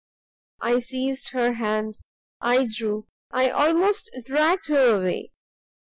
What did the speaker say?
I seized her hand, I drew, I almost dragged her away.